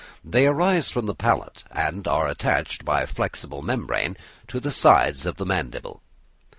They arise from the palate, and are attached by flexible membrane to the sides of the mandible.